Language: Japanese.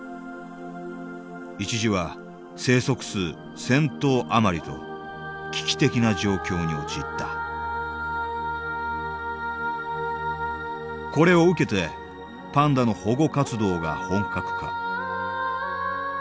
一時は生息数１０００頭余りと危機的な状況に陥ったこれを受けてパンダの保護活動が本格化。